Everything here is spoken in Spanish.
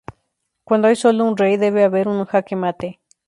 Cuando hay sólo un rey, debe haber un jaque mate.